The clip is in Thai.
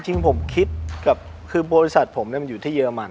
จริงผมคิดกับคือบริษัทผมมันอยู่ที่เรมัน